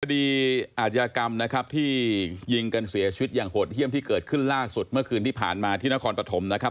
คดีอาชญากรรมนะครับที่ยิงกันเสียชีวิตอย่างโหดเยี่ยมที่เกิดขึ้นล่าสุดเมื่อคืนที่ผ่านมาที่นครปฐมนะครับ